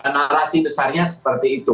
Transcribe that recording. narasi besarnya seperti itu